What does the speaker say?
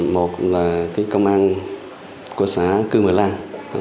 một là công an của xã cư mười lan